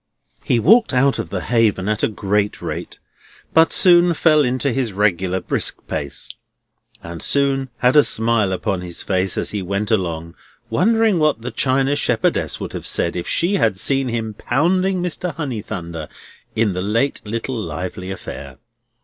He walked out of the Haven at a great rate, but soon fell into his regular brisk pace, and soon had a smile upon his face as he went along, wondering what the china shepherdess would have said if she had seen him pounding Mr. Honeythunder in the late little lively affair.